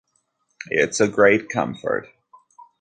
It’s a great comfort.